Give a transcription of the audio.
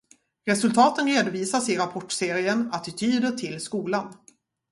Resultaten redovisas i rapportserien Attityder till skolan.